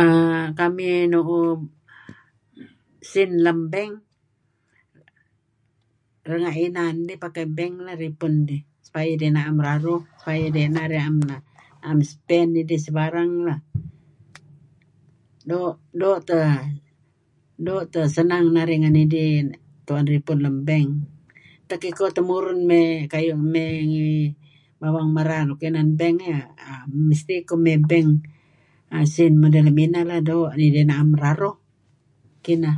err kamih nu'uh sin lem bank renga' inan dih pakai bank narih ripun dih supaya idih 'am raruh, supaya narih na'em spend idih sebarang lah doo' teh senang narih ngen idih tu'en ripun lem bank. Utak ikoh mey temurun mey kayu' mey ngi bawang merar nuk inan bank ih, mesti koh mey bank in sin mudih lem ineh keh doo' nidih 'am raruh. Kineh.